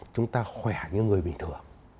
chúng ta khỏe như người bình thường